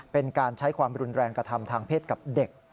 เป็นการใช้ความรุนแรงกระทำทางเพศกับเด็ก